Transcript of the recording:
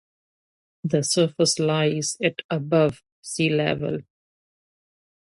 The surface lies at above sea level.